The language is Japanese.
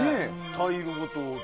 タイルごと。